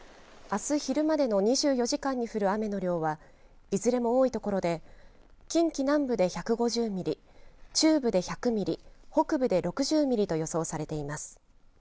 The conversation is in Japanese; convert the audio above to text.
あす昼までの２４時間に降る雨の量はいずれも多い所で近畿南部で１５０ミリ中部で１００ミリ北部で６０ミリと予想されています。